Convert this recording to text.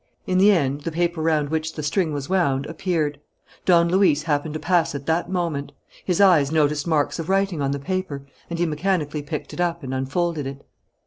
In the end, the paper round which the string was wound, appeared. Don Luis happened to pass at that moment. His eyes noticed marks of writing on the paper, and he mechanically picked it up and unfolded it.